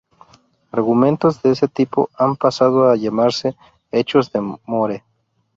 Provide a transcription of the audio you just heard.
Argumentos de este tipo han pasado a llamarse "'hechos de Moore".